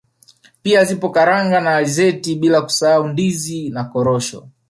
Pia zipo karanga na alizeti bila kusahau ndizi na korosho